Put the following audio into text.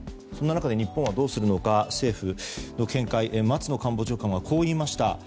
その中で日本はどうするのか政府の見解は松野官房長官はこう言いました。